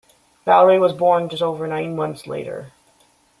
Valerie was born just over nine months later.